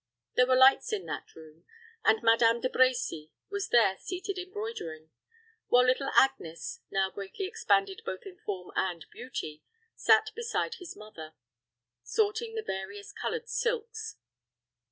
There were lights in that room, and Madame De Brecy was there seated embroidering: while little Agnes, now greatly expanded both in form and beauty, sat beside his mother, sorting the various colored silks.